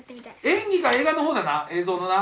映画の方だな映像のな。